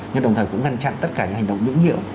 nhưng đồng thời cũng ngăn chặn tất cả những hành động dũng nhiệu